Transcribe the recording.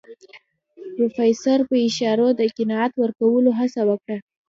پروفيسر په اشارو د قناعت ورکولو هڅه وکړه.